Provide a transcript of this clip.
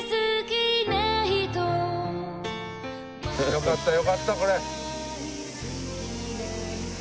よかったよかったこれ。